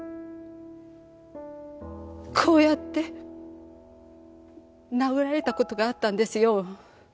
こうやって殴られた事があったんですよ。